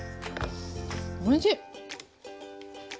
おいしい！